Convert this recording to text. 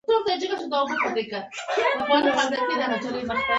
مطلب د ښوونکي په اړه دی.